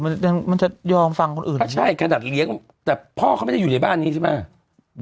มันมันจะยอมฟังคนอื่นก็ใช่ขนาดเลี้ยงแต่พ่อเขาไม่ได้อยู่ในบ้านนี้ใช่ไหม